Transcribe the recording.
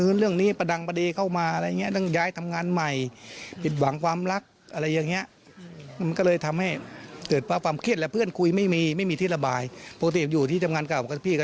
เรียกเรื่องนี้ประดังประเดเข้ามาอะไรอย่างงี้และใจทำงานใหม่